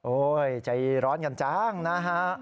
ใจร้อนกันจังนะฮะ